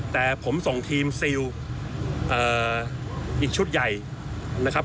แต่ผมส่งทีมซิลอีกชุดใหญ่นะครับ